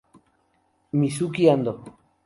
Mizuki Ando